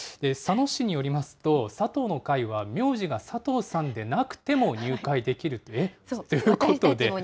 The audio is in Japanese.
佐野市によりますと、佐藤の会は、名字が佐藤さんでなくても入会できると、え？ということで。